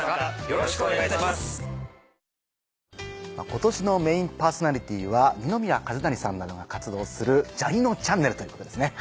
今年のメインパーソナリティーは二宮和也さんなどが活動する「ジャにのちゃんねる」ということですね。